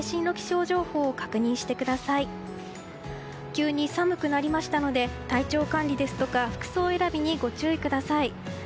急に寒くなりましたので体調管理ですとか服装選びにご注意ください。